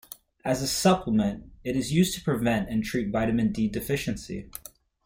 As a supplement it is used to prevent and treat vitamin D deficiency.